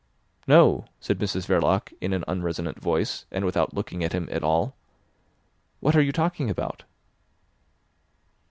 "No," said Mrs Verloc in an unresonant voice, and without looking at him at all. "What are you talking about?"